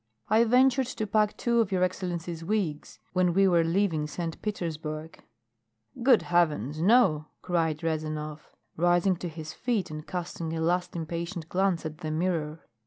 I ventured to pack two of your excellency's wigs when we were leaving St. Petersburg " "Good heavens, no!" cried Rezanov, rising to his feet and casting a last impatient glance at the mirror.